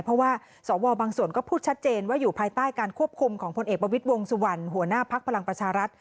เพราะว่าสวบางส่วนก็พูดชัดเจนว่าอยู่ภายใต้การควบคุมของพลเอกประวิทย์วงสุวรรณหัวหน้าภักดิ์พลังประชารัฐ